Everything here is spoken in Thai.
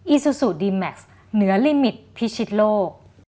อซูซูดีแม็กซ์เหนือลิมิตพิชิตโลก